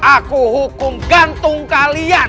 aku hukum gantung kalian